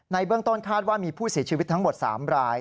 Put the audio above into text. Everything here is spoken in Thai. เบื้องต้นคาดว่ามีผู้เสียชีวิตทั้งหมด๓ราย